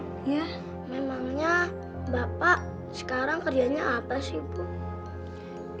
iya memangnya bapak sekarang kerjanya apa sih bu